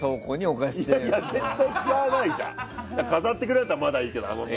飾ってくれるんだったらまだいいけど。